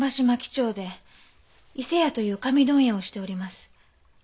町で伊勢屋という紙問屋をしております。